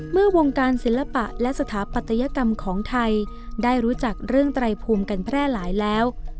เมื่อวงการศิลปะและสถาปัตยกรรมของไทยได้รู้จักเรื่องไตรภูมิกันแพร่หลายแล้ว